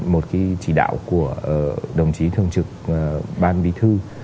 một cái chỉ đạo của đồng chí thường trực ban bí thư